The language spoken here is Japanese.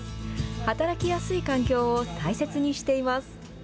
働きやすい環境を大切にしています。